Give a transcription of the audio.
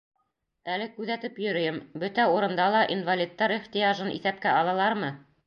Әле күҙәтеп йөрөйөм: бөтә урында ла инвалидтар ихтыяжын иҫәпкә алалармы?